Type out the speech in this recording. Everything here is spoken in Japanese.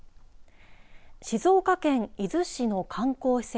静岡県伊豆市の観光施設